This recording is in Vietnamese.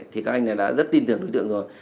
thì các anh này đã rất tin tưởng đối tượng rồi